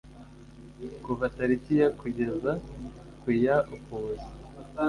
kuva tariki ya kugeza ku ya Ukuboza